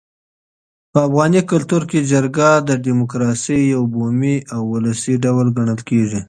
په افغاني کلتور کي جرګه د ډیموکراسۍ یو بومي او ولسي ډول ګڼل کيږي.